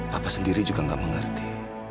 bapak sendiri juga nggak mengerti